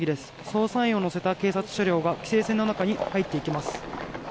捜査員を乗せた警察車両が規制線の中に入っていきます。